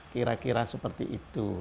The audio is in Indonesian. kira kira seperti itu